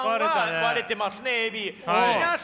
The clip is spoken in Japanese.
割れてます。